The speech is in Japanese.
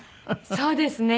そうですね。